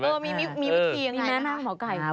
มีวิธียังไงนะคะ